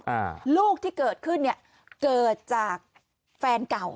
อ่าลูกที่เกิดขึ้นเนี้ยเกิดจากแฟนเก่า